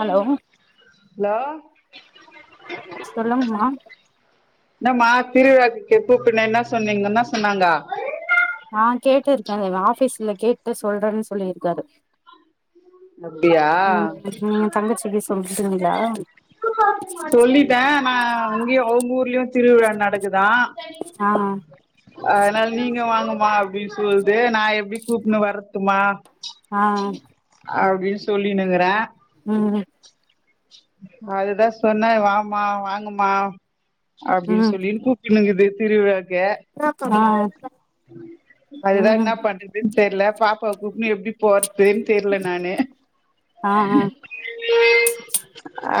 hello hello சொல்லுங்கமா என்னம்மா திருவிழாக்கு கூப்பினே என்ன சொன்னீங்க என்ன சொன்னாங்க ஆ கேட்டுருக்கேன் ஆபீஸ்ல கேட்டு சொல்றேன்னு சொல்லியிருக்காரு அப்டியா ம் நீங்க தங்கச்சிக்கி சொல்லிடிங்களா சொல்லிட்டே நா இங்கேயு அவங்க ஊர்லயு திருவிழா நடக்குதா ஆ அதனால நீங்க வாங்கமா அப்டின்னு சொல்லுது நா எப்டி கூப்புன்னு வரதுமா ஆ அப்டின்னு சொல்லினுங்குறே ம் அதுதா சொன்னே வாமா வாங்கமா அப்டின்னு ம் சொல்லின்னு கூப்ட்னுங்து திருவிழாக்க ஆ அதுதான் ம் என்ன பண்றதுன்னு தெரில பாப்பாவ கூப்பன்னு எப்டி போறது தெரில நானு ஆ ஆ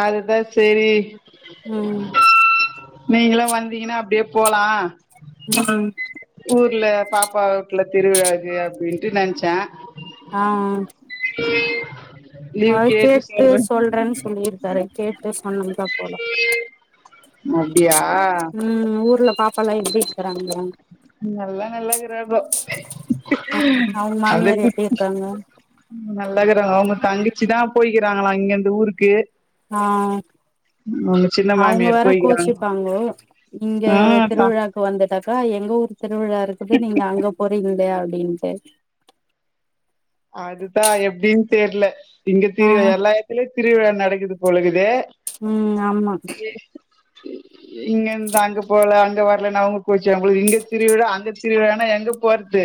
அதுதான் சேரி ம் நீங்களா வந்தீங்கன்னா அப்டியே போலா ம் ஊர்ல பாப்பா வுட்ல திருவிழாக்கு அப்டின்ட்டு நென்ச்சே ஆ [inaudible] அத கேட்டு சொல்றேன்னு சொல்லிருக்காரு கேட்டு சொன்னம்ந்தா போலாம் அப்டியா ம் ஊர்ல பாப்பா எல்லா எப்டி இருக்கிறாங்க எல்ல நல்லா இக்குறாங்கோ ஆ அவங்க மாமியார் அதுக் எப்டி இருக்காங்க நல்லாக்கிறாங்க அவங்க தங்கிச்சி தான் போய்கிறாங்கள இங்க இருந்து ஊருக்கு ஆ அவுங்க சின்ன அவங்க மாமியார் வேற போய்க்கிறாங்க கோச்சிப்பாங்களே இங்க ஆ தா திருவிழா வந்துட்டாக்கா எங்க ஊர் திருவிழா இருக்குது நீங்க அங்க போறிங்களே அப்டின்ட்டு அதுதான் எப்டின் தெரில இங்க ஆ திரு எல்லா எத்தலே திருவிழா நடக்குது போலக்குதே ம் ஆமா ஏ [inaudible] இங்க இருந்து அங்க போலே அங்க வரலன்னா அவங்க கோச்ச அவங்களுக்கு திருிவிழா அங்க திருவிழா னா எங்க போறது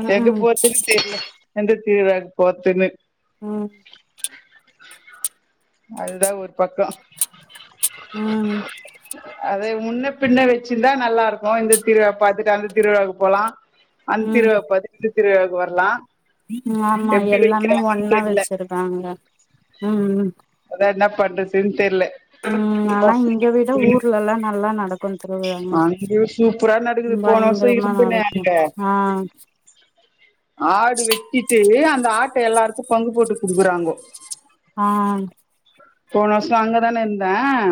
ம் எங்க ம் போத்துன்னு தெரியல எந்த தீருவிழாக்கு போர்த்தின்னு ம் அதுதான் ஒரு பக்கம் ம் அத முன்ன பின்ன வெச்சிருந்தா நல்லா இருக்கும் இந்த திருவிழா பாத்துட்டு அந்த திருவிழாவுக்கு போலா அந்த ம் திருவிழா பாத்திட்டு இந்த திருவிழக்கு வரலா ம் ஆமா எப்டி எல்லாமே வைக்கிறாங்கன்னு ஒன்னா தெர்ல வெச்சுருக்காங்க ம் அதா என்ன பண்றதுன்னு தெர்ல ம் ஆனா பசங்கள இங்க விட கூப்டுக்கினு ஊர்லல்லாம் நல்லா நடக் கொம் திருவிழானா அங்கயு சூப்பரா நடக்குது ம் போன வருஷோ பயங்கரமா இருந்துனே நடக்கும் அங்க ஆ ஆடு வெட்டிட்டு அந்த ஆட்ட எல்லாருக்கும் பங்கு போட்டு குடுக்குறாங்கோ ஆ போன வருஷம் அங்கதான இருந்தன்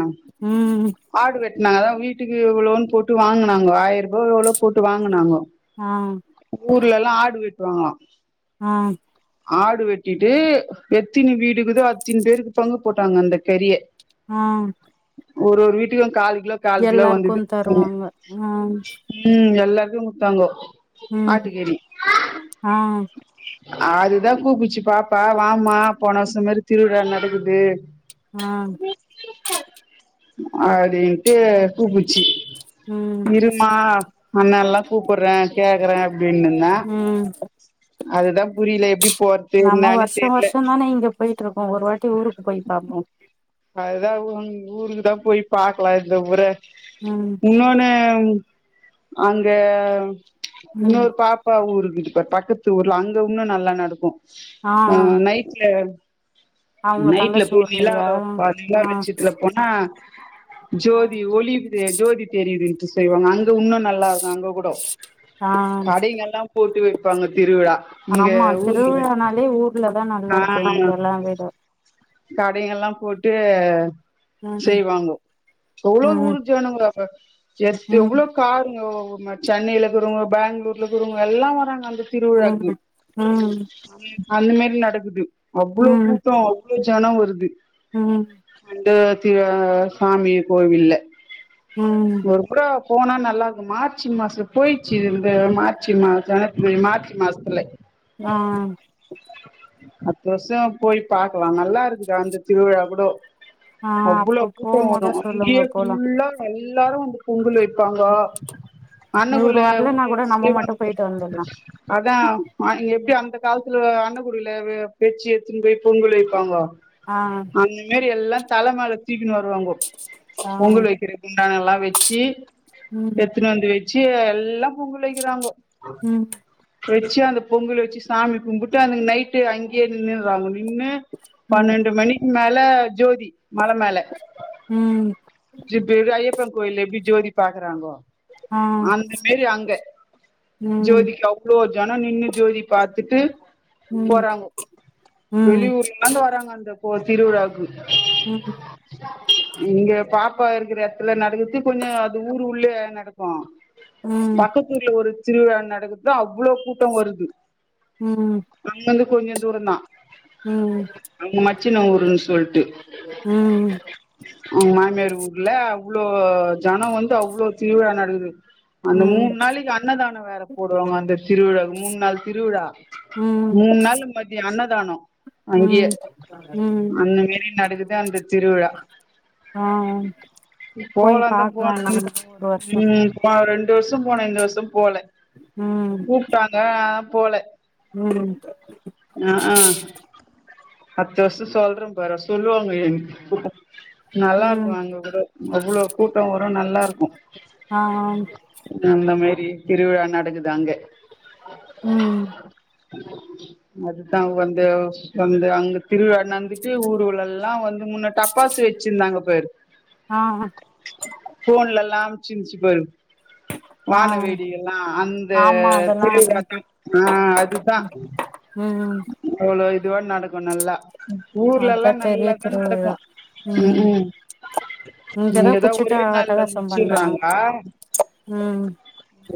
ம் ஆடு வெட்டுனாங்க அதான் வீ ட்டுக்கு எவ்ளோன் போட்டு வாங்குனாங்கோ ஆயரூபா எவ்ளோ போட்டு வாங்குனாங்கோ ஆ ஊர் எல்லா ஆடு வெட்டுவாங்களா ஆ ஆடு வெட்டிட்டு எத்தினி வீடு இக்குதோ அத்தினி பேருக்கு பங்கு போட்டாங்க அந்த கறிய ஆ ஒர்ரு ஒரு வீட்டுக்கும் கால் கிலோ காலு கிலோ எல்லாருக்கு வந்துது ம் தருவாங்க ஆ ம் எல்லாருக்கும் குடுத்தாங்கோ ம் ஆட்டுக்கறி ஆ அதுதான் கூப்புச்சு பாப்பா வாம்மா போன வருஷம் மாரி திருவிழா நடக்குது ஆ அப்டின்ட்டு கூப்புச்சு ம் இருமா அண்ணால்லா கூப்புற்றே கேக்குறே அப்டின்னிந் த ம் அதுதா புரில எப்டி போற்து இன்னானு தெர்ல நானு இங்கப் போய்ட்ருக்கோ ஒரு வாட்டி ஊருக்கு போய் பாப்போ அதுதா ஊங் ஊருக்குதா போய் பாக்லா இந்த முற ம் உன்னோன்னு அங்க ம் இன்னொரு பா ப்பா ஊருக்குதுபார் பக்கத்து ஊர்ல அங்க இன்னு நல்லா நடக்கு ஆ நைட்ல அவங்க நைட்ல தங்கச்சி போய் ஊர்லயா நிலாவ் பார் நிலா ஆ வெள்ச்சத்துல போனா ஆ ஜோதி ஒளி தெ ஜோதி தெரியுதுன்ட்டு செய்வாங்க அங்க உன்னு நல்லாருக்கு அங்க கூடோ ஆ கடைங்கல்லா போட்டு வெப்பாங்க திருவிழா இங்க ஊருங்கில்ல ர்லதா நல்லாருக்கு இங்கெல்லா விட கடைங்கல்லா போட்டு ம் செய்வாங்கோ எவ்ளோ ம் ஊரு ஜனங்கோ ப்ப [unintelligible] ம் எவ்வளோ காருங்கோ ஓ மை சென்னைலகிறவ்ங்கோ பேங்ளூர்லகிறவ்ங்கோ எல்லா வராங்க அந்த திருவிழாக்கு ம் ம் அந்த மாரி நடக்குது அவ்வளோ ம் கூட்டோ அவ்ளோ ஜனோ வருது ம் அந்த தி அ சாமி கோவில்ல ம் ஒரு முறோ போனா நல்லாருக்கு மார்ச்சு மாசோ போயிச்சு இது இந்த மார்ச்சி மாசோன்ன [unintelligible] மார்ச்சு மாஸ்த்துல ஆ அட்த்த வர்ஷோ போயி பாக்கலா நல்லா இருக்கு கா அந்த திருவிழா கூடோ ஆ அவ்ளோ அப்போ கூட்டோ வரு போம்போதே சொல்லுங்க அங்கியே போலா ஃபுல்லா எல்லாரு வந்து பொங்கலு வெப்பாங்கோ இவரு அண்ணக்கூட்ல வரலன்னா ஊர்ல கூட நம்ம மட்டு செய்வாங் பார் போயிட்டு வந்துர்லா அதான் ஆ இங்க எப்டி அந்த கால்த்துல அண்ணகூடய்ல வ வெச்சு எத்துன்னு பேய் பொங்கல் வெய்ப்பாங்கோ ஆ அந்த மாரி எல்லா தல மேல தூக்கினு வருவாங்கோ ஆ பொங்கல் வெக்கிற குண்டானல்லா வெச்சு ம் எட்த்துன்னு வந்து வெ ச்சு எல்லா பொங்குலு வெக்கிறாங்கோ ம் வெச்சு அந்த பொங்குலு வெச்சி சாமி கும்புட்டு அந்த நைட்டு அங்கியே நின்னுறாங்கோ நின்னு ம் பன்னேண்டு மணிக்கு மேல ஜோதி மல மேல ம் இப்ப எப்டி ஐயப்பங் கோயில்ல எப்டி ஜோதி பாக்குறாங்கோ ஆ அந்த மேரி அங்க ம் ஜோதிக் அவ் ளோ ஜனோ நின்னு ஜோதி பாத்துட்டு ம் போறாங்கோ ம் வெளியூர் லந்து வராங்க அந்த கோ திருவிழாவுக்கு ம இங்க பாப்பா இருக்கிற எட்த்துல நடக்குத்து கொஞ்சோ அது ஊரு உள்ளுவே நட க்கோ ம் பக்கத்தூர்லே ஒரு திருவிழா நடக்குத்தா அவ்வுளோ கூட்டோ வருது ம் அங்கந்து கொஞ்ச தூறந்தா ம் ம் அவுங்க மச்சின ஊருன் சொல்ட்டு ம் அவுங் மாமியார் ஊர்ல அவ்ளோ ஜனொ வந்து அவ்ளோ திருவிழா நடக்குது அந்த மூண் நாளிக்கு அன்னதானோ வேற போடுவாங்க அந்த திருவிழாவு மூண்நாள் திருவிழா ம் மூண் நாளு மதியொ அன்னதானோ ம் ம் அந்த மேரி நடக்குது அந்த திருவிழா ஆ போய் போலான்ந்தா பாக்கலா போன் ன் நம்ம ஒரு வருஷோ ம் ப்பா ரெண்டு வர்ஷோ போன இந்த வர்ஷோ போல ம் கூப்ட்டாங்க நாம் போல உம் அக் க அத்த வர்சோ சொல்றே பாறே சொல்லுவாங்க எங் கூ ம் நல்லாருக்கோ எங்க கூட அவ்ளோ கூட்டொ வரோ நல்லாருக்கோ ஆ முன்ன மேரி திருவிழா நடக்குது அங்க ம் அதுதா வந்து வந்து அங் திருவிழா நந்துட்டு ஊருல்லல வந்து முன்ன டப்பாசு வெச்சிந்தாங்க பாரு ஆ ஃபோன்லலா அம்ச்சின்சி பாரு ஆ வானவேடிக்கல்லா அந்த ஆமா அதெல்லா திருவிழாதா அன்னைக்கு ஆ அதுதா ம் அவ்ளோ இதுவா நடக்கோ நல்லா ஊர்லல்லா அதா பெரிய நல்லாதா நடக்கு திருவிழா வுக் ம் கூ இங்கதா ஒரேநாள்ல முச்சிற்றாங்க அ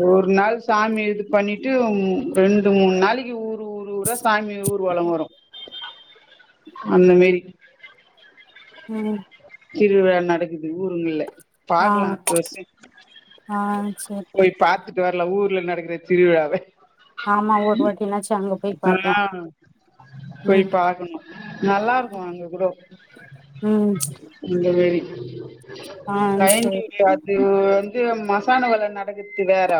ஒரு நாள் சாமி இது பண்ணிட்டு ம் ரெண்டுமூண் நாளிக்கு ஊரு ஊரு ஊரா சாமி ஊர்வலோ வரு அந்தமேறி ம் திருவிழா நடக்குது ஊருங்குல்ல ஆ பாக்குலா அர்த்தவர்சு ஆ சேரி போய் பாத்து டு வர்ல ஊர்ல நடக்குற திருவிழாவ ஆம்மா ஒரு வாட்டினாச்சோ அங்கப் ஆ போய் பாக்குணு நல்லாருக்கூ அங்க கூடோ ம் இந்த மேரி ஆ சேரி கைன்டிட்ல அத்துவந் து மசனாக்கொல்ல நடக்குத்து வேற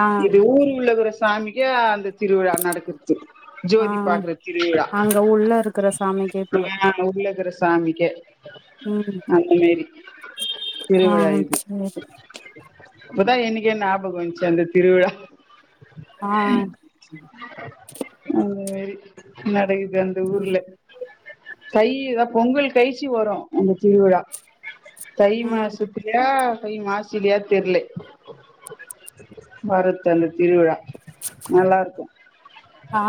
ஆ இது ஊருஉள்ள க்குற சாமி ஏ அந்த திருவிழா நடக்கு ஆ அங்க உள்ள இருக்கிற சாமிக்கே போல ஆ உள்ளக்குற சாமிக்கே ம் அந்த மேரி ஆ திருவிழா இது சேரி இப்பதா எனக்கே ஞாபக வந்துச்சு அந்த திருவிழா ஆ அந்த மேரா நடக்குது அந்தஊர்ல்ல தைதா பொங்கல் கழிச்சு வரு அந்த திருவிழா தை ம் மாசத் யா தை மாசிலையா தெரில, மருவத்தூர்ல திருவிழா நல்லா இருக்கு ஆ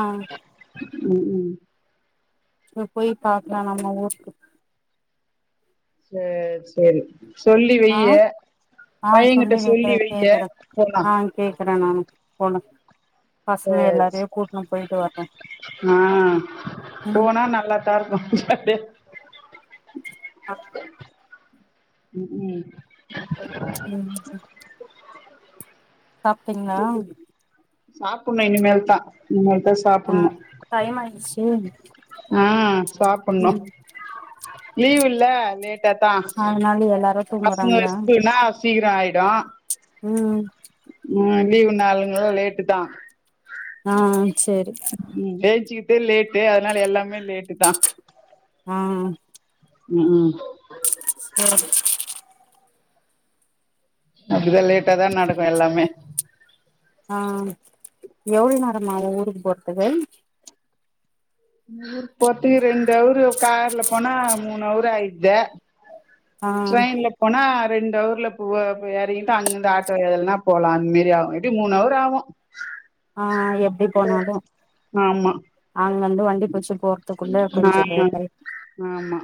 ம், ம் அப்ப போய் பாக்கலா நம்ம ஊருக்கு சேரி சேரி சொல்லி ஆ வையி ஆ பையங்கிட்ட சொல்லி வைக்கிறே வை கேக்குறே போலா ஆ கேக்குறே நானு போலா சேரி, போயிட்டு வரோ ஆ ம் போனா நல்லா தா இருக்கு ஜாலியா ஆ ம், ம் ம்ஹூம் சாப்ட்டீங்ளா சாப்புட்ணு இனிமேல்தா இனிமேல்தா சாப்புட்ணு டையமாயிடுச்சி ஆ சாப்புட்ணு, லீவ் இல்ல லே ட்டதா அதனால எல்லாரு பசங்க தூங்குறாங்களா ஸ்கூலுன்னா சீக்கிர ஆயிடு ம் ம் லீவு நாளுங்கல்ல லேட்டுதா ஆ சேரி ம், எழுந்ச்சுக்கிறதே லேட்டு அதனால எல்லாமே லேட்டு தா ஆ ம் சேரி அப்படிதா லேட்டாதா நடக்கு எல்லாமே ஆ எவ்வளோ நேரம் ஆவு ஊருக்கு போறதுக்கு ஊருக்கு போறதுக்கு ரெண்டு அவரு கார்ல போனா மூணு அவரு ஆயிடுது ஆ ட்ரெயின்ல போனா ரெண்டு அவர்ல போ போயி எறங்கிட்டு அங்கருந்து ஆட்டோ எதுலன்னா போலா அந்தமேரி ஆகு எப்டியு மூணுஅவர் ஆகு ஆ எப்டி போனாலு ஆமா அங்கருந்து வண்டி புடிச்சு போற த்துக்குள்ள கொஞ்ச ஆமா லேட்டாயி ஆமா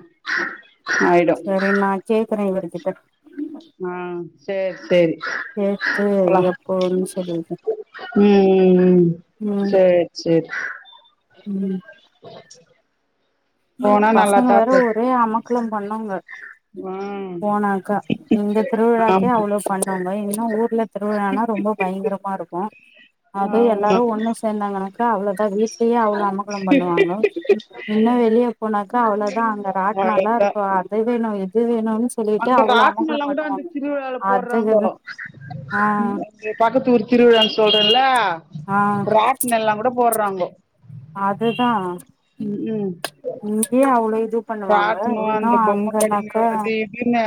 ஆயிடு சேரி நா கேக்குற இவருக்கிட்ட ஆ சேரி சேரி கேட்டு போலா எப்போன்னு சொல்லுங்க ம் ம் ம் சேரி சேரி ம் [unintelligible] ம் பசங்க நல்லாத்தா வேற இருக்கு ஒரே அமக்களம் பண்ணாங்க ம் போனாக்கா இங்க திருவிழாக்கே ஆமா அவ்வளோ பண் ணாங்க இன்னு ஊர்ல திருவிழானா ரொம்ப பயங்கரமா இருக்கு அது ஆமா எல்லாரு ஒண்ணு சேந்தாங்கனக்கா அவ்வளோதா வீட் டயே அவ்ளோ அமக்களம் பண்ணுவாங்க இன்னு வெளிய போனாக்கா அவ்ளோதா அங்க ராட்னலாம் கரெக்டா இருக்கு அது வேணு இது வேணுனு அங்க ராட்னம்லா கூட அந்த திருவிழால போட்றாங்கோ அதுக்குதா ஆ பக்கத்தூர் திருவிழான் சொல்றேன்ல ஆ ராட்னெல்லா கூட போற்றாங்கோ அததா ம் இங்யே அவுளோ இது பண்ணுவாங்க ராட்னோ இங்குனா அந்த பொம்ம அங்கன்னாக்க கடைங்க அது இதுன்னு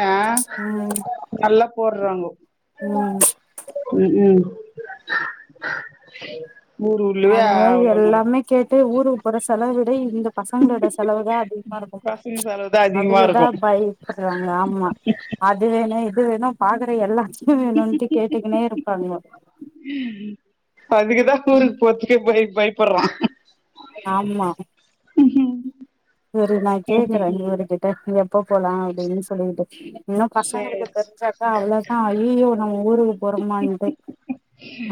நல்லா போடுறாங்கோ ம் ம் ஊர் உள்ளுவே அவ்ளோ நல் கேட்டே ஊருக் போற செலவிட இந்த பசங்ளோட செலவு தா அதிக்மா இருக்க போல பசங்க செலவுதா அதிகமா அதுக்குதா இருக்கு பய்ப்புற்றாங்க ஆமா அது வேணு இது வேணு பாக்குற எல்லாத்யு வேணுன்ட்டு கேட்டுக்குனே இருப்பாங்க அதுக்குதா ஊருக் போர்த்துக்கே பய் பய்ப்புற்றா [inaudible] ம் இரு நா கேக்குற இவுருகிட்ட எப்ப போலா அப்டின் சொல்லிகிட்டு இன்னு சேரி பசங்ளுக்கு தெரிஞ்சாக்கா அவ்ளோதா ஐயியோ நம்ம ஊருக்கு போறமான்ட்டு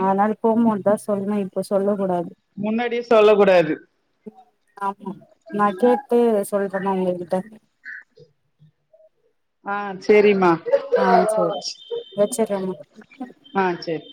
ஆத்னால போம்மோத்தா சொல்னு இப்போ சொல்ல கூடாது முன்னாடியே சொல்ல கூடாது ஆமா நா கேட்டு சொல்ற நா உங்ககிட்ட அ சேரிமா ஆ சேரி வெச்சற்றமா அ சேரி